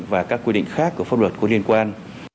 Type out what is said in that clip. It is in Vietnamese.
và các quy định khác của pháp luật có liên quan